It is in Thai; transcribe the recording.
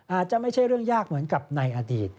อาจจะไม่ใช่เรื่องยากเหมือนกับในอดีต